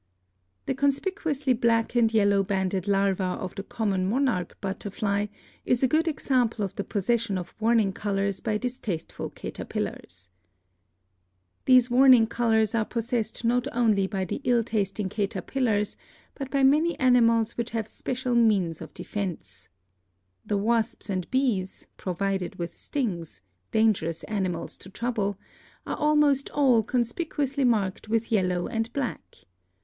The conspicuously black and yellow banded larva of the common Monarch butterfly is a good example of the pos session of warning colors by distasteful caterpillars. These warning colors are possessed not only by the ill tasting caterpillars but by many animals which have spe 288 BIOLOGY cial means of defense. The wasps and bees, provided with stings — dangerous animals to trouble — are almost all conspicuously marked with yellow and black.